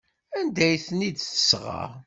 Anda ay ten-id-tesɣa?